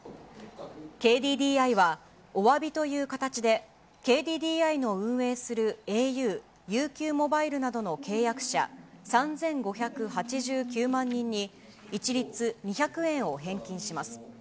ＫＤＤＩはおわびという形で、ＫＤＤＩの運営するａｕ、ＵＱモバイルなどの契約者３５８９万人に、一律２００円を返金します。